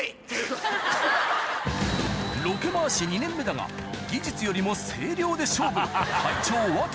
ロケ回し２年目だが技術よりも声量で勝負